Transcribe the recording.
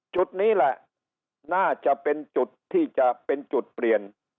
จุดนี้แหละน่าจะเป็นจุดที่จะเป็นจุดเปลี่ยน